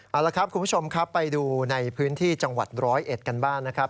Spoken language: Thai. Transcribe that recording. เอาละครับคุณผู้ชมครับไปดูในพื้นที่จังหวัดร้อยเอ็ดกันบ้างนะครับ